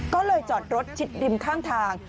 ก็เลยจอดรถชิดริมข้างทาง